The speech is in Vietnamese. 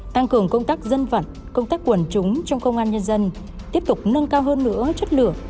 tăng cường công tác dân vận công tác quần chúng trong công an nhân dân tiếp tục nâng cao hơn nữa chất lượng